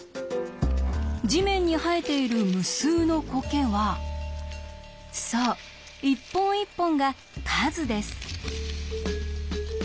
地面に生えている無数のコケはそう一本一本が「数」です。